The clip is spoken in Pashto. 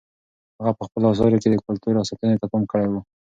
هغه په خپلو اثارو کې د کلتور ساتنې ته پام کړی و.